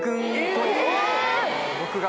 僕が。